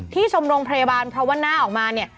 ชมโรงพยาบาลเพราะว่าหน้าออกมาเนี่ย